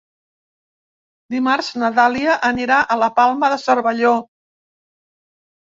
Dimarts na Dàlia anirà a la Palma de Cervelló.